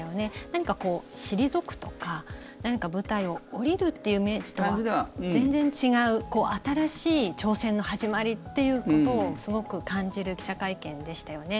何かこう、退くとか何か舞台を降りるというイメージとは全然違う新しい挑戦の始まりということをすごく感じる記者会見でしたよね。